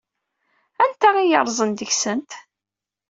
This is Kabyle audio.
Anta ay yerrẓen deg-sent?